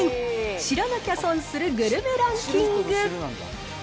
知らなきゃ損するグルメランキング。